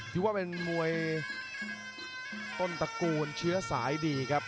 ที่ว่ามันมวยต้นตระกูลชื่อสายดีครับ